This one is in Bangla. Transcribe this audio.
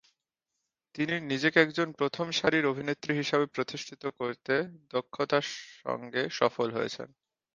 তিনি নিজেকে একজন প্রথম সারির অভিনেত্রী হিসেবে প্রতিষ্ঠিত করতে দক্ষতার সঙ্গে সফল হয়েছেন।